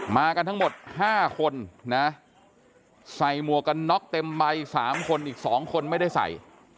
มากันทั้งหมด๕คนนะใส่หมวกกันน็อกเต็มใบ๓คนอีก๒คนไม่ได้ใส่